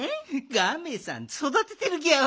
ガメさんそだててるギャオ。